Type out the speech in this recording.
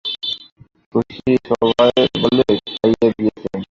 শশী সভয়ে বলে, খাইয়ে দিয়েছেন?